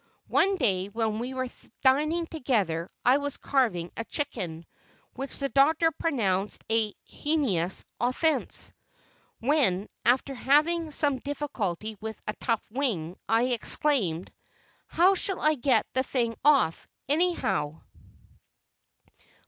One day, when we were dining together, I was carving a chicken, which the Doctor pronounced a "hen ous offence," when, having some difficulty with a tough wing, I exclaimed: "How shall I get the thing off, anyhow?"